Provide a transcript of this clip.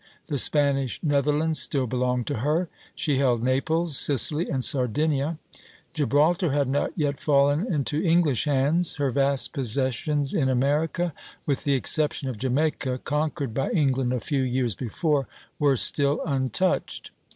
The Spanish Netherlands still belonged to her; she held Naples, Sicily, and Sardinia; Gibraltar had not yet fallen into English hands; her vast possessions in America with the exception of Jamaica, conquered by England a few years before were still untouched.